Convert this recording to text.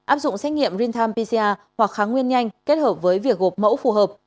áp dụng xét nghiệm rintam pcr hoặc kháng nguyên nhanh kết hợp với việc gộp mẫu phù hợp